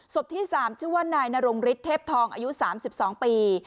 ศพที่สามชื่อว่านายนโรงฤทธิ์เทพทองอายุสามสิบสองปี